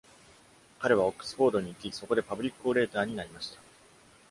彼はオックスフォードに行き、そこでパブリックオレーターになりました。